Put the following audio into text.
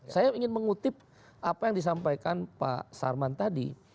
saya ingin mengutip apa yang disampaikan pak sarman tadi